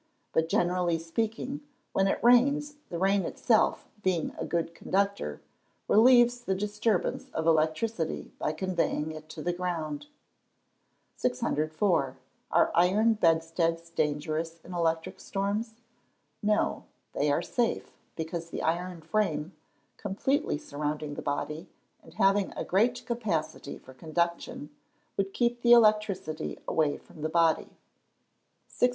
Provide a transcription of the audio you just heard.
But, generally speaking, when it rains, the rain itself, being a good conductor, relieves the disturbance of electricity by conveying it to the ground. 604. Are iron bedsteads dangerous in electric storms? No, they are safe, because the iron frame, completely surrounding the body, and having a great capacity for conduction, would keep the electricity away from the body. 605.